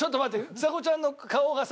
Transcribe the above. ちさ子ちゃんの顔がさ